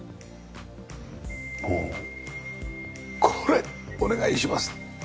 もうこれお願いします。